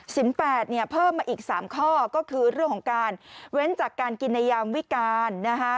๘เนี่ยเพิ่มมาอีก๓ข้อก็คือเรื่องของการเว้นจากการกินในยามวิการนะคะ